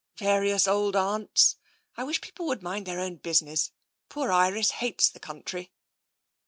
" "Various old aunts. I wish people would mind their own business. Poor Iris hates the country."